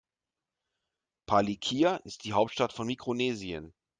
Palikir ist die Hauptstadt von Mikronesien.